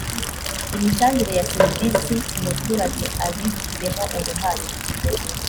imitangire ya serivisi umuturage abigizemo uruhare